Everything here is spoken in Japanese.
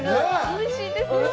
おいしいです！